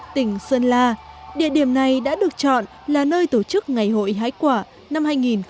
tỉnh sơn la địa điểm này đã được chọn là nơi tổ chức ngày hội hái quả năm hai nghìn một mươi chín